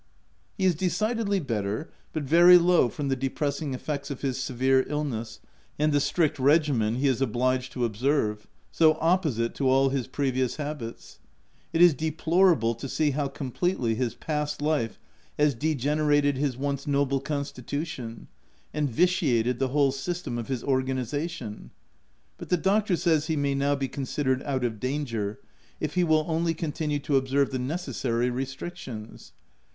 He is decidedly better, but very low from the depressing effects of his severe illness and the strict regimen he is obliged to observe — so opposite to all his previous habits. It is de plorable to see how completely his past life has degenerated his once noble constitution, and vitiated the whole system of his orga nization. But the doctor says he may now be considered out of danger, if he will only con tinue to observe the necessary restrictions.